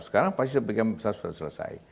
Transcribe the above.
sekarang pasti sudah selesai